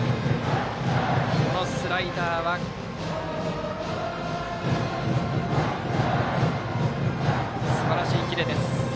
スライダーすばらしいキレです。